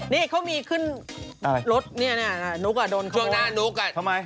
นี่เขามีขึ้นรถนุกอ่ะโดนขโมย